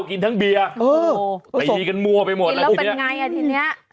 กินทั้งเบียร์ไปดีกันมั่วไปหมดแล้วแล้วเป็นยังไงอาทิตย์นี้